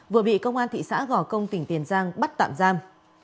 vừa bị công an thị xã gò công tỉnh tiền giang bắt tạm giam